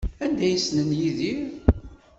Anda ay ssnen Yidir?